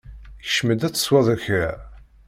Kcem-d ad tesweḍ kra.